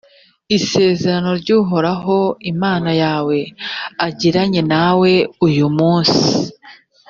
isezerano ry’uhoraho imana yawe agiranye nawe uyu munsi,